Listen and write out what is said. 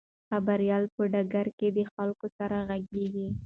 خبریال په ډګر کې د خلکو سره غږیږي.